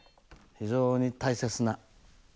非常に大切な。